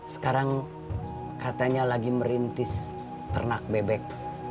sekarang katanya lagi merintis ternak bebek